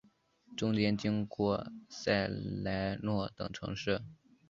中间经过萨莱诺等城市。